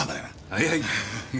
はいはい。